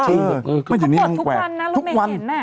ใช่เขาปวดทุกวันนะลูกแม่เห็น